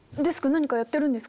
何かやってるんですか？